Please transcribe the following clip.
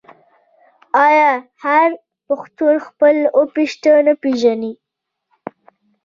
آیا هر پښتون خپل اوه پيښته نه پیژني؟